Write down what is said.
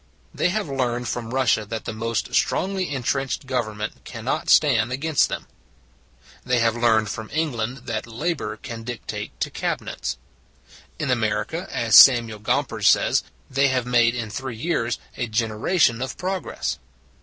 They have learned from Russia that the most strongly intrenched government can not stand against them. They have learned from England that Labor can dictate to Cabinets; in America, as Samuel Gompers says, they have made in three years a generation of progress.